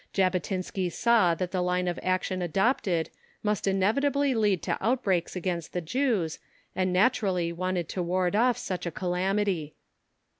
Jabotinsky saw that the line of action adopted must inevitably lead to outbreaks against the Jews, and naturally wanted to ward off such a calamity.